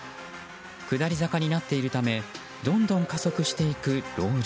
下り坂になっているためどんどん加速していくロール。